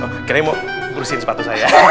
oh kiranya mau urusin sepatu saya